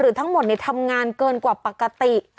ทั้งหมดทำงานเกินกว่าปกติ